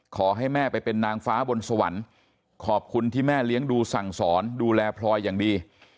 ขอให้แม่ไปเป็นนางฟ้าบนสวรรค์ขอบคุณที่แม่เลี้ยงดูสั่งสอนดูแลพลอยอย่างดี